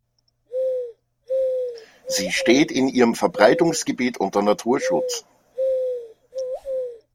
Sie steht in ihrem Verbreitungsgebiet unter Naturschutz.